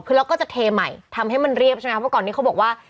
คือเราก็จะเทใหม่ทำให้มันเรียบใช่ไหมเพราะก่อนนี้เขาบอกว่า